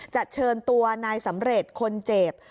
เชิญตัวนายสำเร็จคนเจ็บ